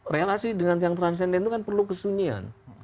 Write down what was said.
relasi dengan yang transenden itu kan perlu kesunyian